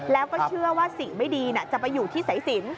แล้วก็เชื่อว่าสิ่งไม่ดีจะไปอยู่ที่สายสิน